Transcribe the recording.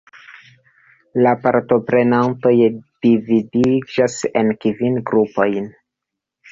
La partoprenantoj dividiĝas en kvin grupojn.